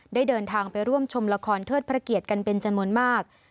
เดินทางไปร่วมชมละครเทิดพระเกียรติกันเป็นจำนวนมาก